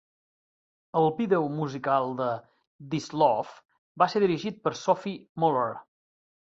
El vídeo musical de "This Love" va ser dirigit per Sophie Muller.